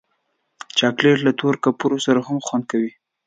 چاکلېټ له تور کپړو سره هم خوند کوي.